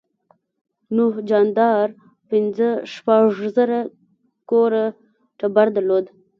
نوح جاندار پنځه شپږ زره کوره ټبر درلود.